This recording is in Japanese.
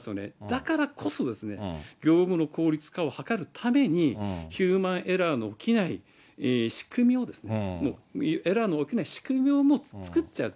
だからこそですね、業務の効率化を図るために、ヒューマンエラーの起きない仕組みを、エラーの起きない仕組みをもう作っちゃう。